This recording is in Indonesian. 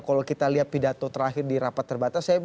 kalau kita lihat pidato terakhir di rapat terbatas